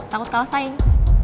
takut kalah saing